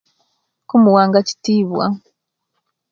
Kumuwanga kitibwa